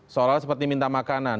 seolah olah seperti minta makanan